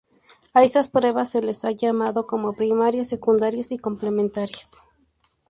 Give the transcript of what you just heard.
A estas pruebas se les ha llamado como primarias, secundarias y Complementarias.